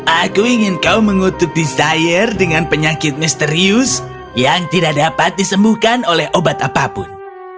aku ingin kau mengutuk desire dengan penyakit misterius yang tidak dapat disembuhkan oleh obat apapun